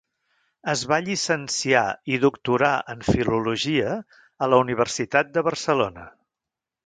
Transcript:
Es va llicenciar i doctorar en Filologia a la Universitat de Barcelona.